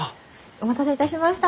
お待たせいたしました。